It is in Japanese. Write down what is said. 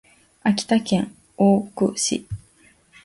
秋田県大館市